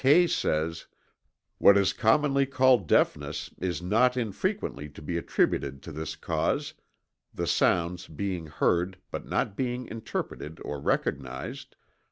Kay says: "What is commonly called deafness is not infrequently to be attributed to this cause the sounds being heard but not being interpreted or recognized